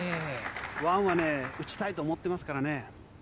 ワンはね、打ちたいと思ってますからね。